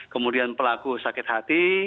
kemudian pelaku sakit hati